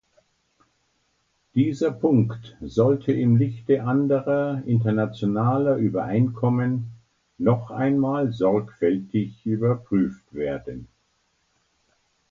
Dieser Punkt sollte im Lichte anderer internationaler Übereinkommen noch einmal sorgfältig überprüft werden.